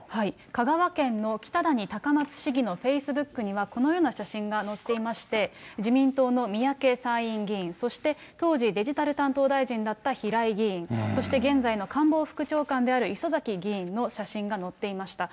香川県の北谷高松市議のフェイスブックには、このような写真が載っていまして、自民党の三宅参院議員、そして当時、デジタル担当大臣だった平井議員、そして現在の官房副長官である磯崎議員の写真が載っていました。